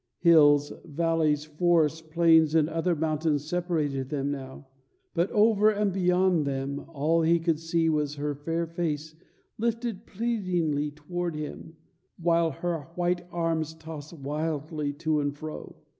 Hills, valleys, forests, plains, and other mountains separated them now, but over and beyond them all he could see was her fair face lifted pleadingly toward him, while her white arms tossed wildly to and fro.